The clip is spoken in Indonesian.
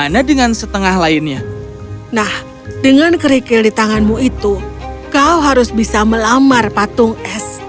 nah dengan kerikil di tanganmu itu kau harus bisa melamar patung es